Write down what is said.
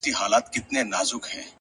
هره هڅه د بریا پیل ټکی دی!.